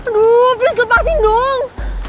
aduh prins lepasin dong